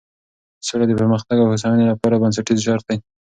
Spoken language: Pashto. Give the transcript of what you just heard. سوله د پرمختګ او هوساینې لپاره بنسټیز شرط دی.